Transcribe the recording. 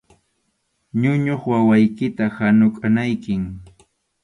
Ñuñuq wawaykita hanukʼanaykim.